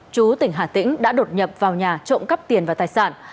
chú tỉnh hà tĩnh đã đột nhập vào nhà trộm cắp tiền và tài sản